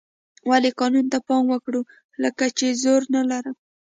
ولې قانون ته پام وکړو لکه چې زور نه لرم.